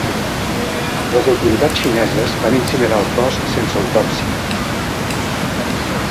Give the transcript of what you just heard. Les autoritats xineses van incinerar el cos sense autòpsia.